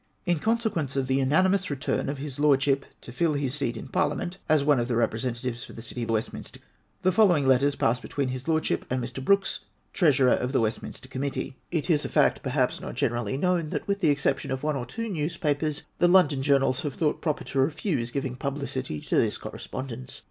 In consequence of the unanimous return of his Lordship to fill his seat in Parliament, as one of the representatives for the City of Westminster, the following letters passed between his Lordship and Mr. Brooks, Treasurer of the Westminster Committee. It is a fact, perhaps not generally known, that, with the exception of one or two newspapers, the London journals have thought proper to refuse giving publicity to this correspondence.